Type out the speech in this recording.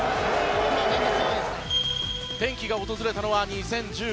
転機が訪れたのは２０１５年。